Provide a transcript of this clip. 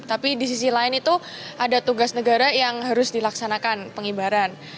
tapi di sisi lain itu ada tugas negara yang harus dilaksanakan pengibaran